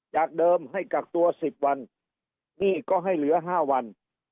จากเดิมให้กักตัว๑๐วันนี่ก็ให้เหลือ๕วัน